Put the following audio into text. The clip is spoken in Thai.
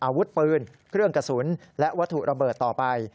อาวุธปืนเครื่องกระสุนและวัตถุระเบิดต่อไป